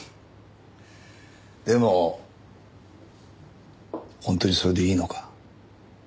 でも本当にそれでいいのか？